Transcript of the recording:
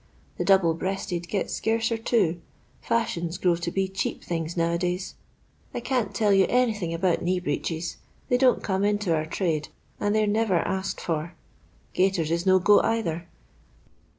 The double breasted gets scarcer, too. Fashions grows to be cheap things now a days. " I can't tell you anything about knee breeches ; they don't come into my trade, and they 're never asked for* Qaiten ia no go either.